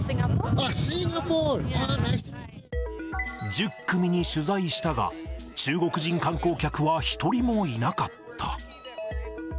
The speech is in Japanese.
１０組に取材したが、中国人観光客は一人もいなかった。